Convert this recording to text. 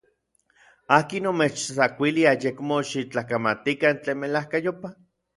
¿akin omechtsakuilij ayekmo xiktlakamatikan tlen melajkayopaj?